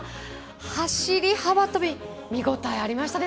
走り幅跳び、見応えありましたね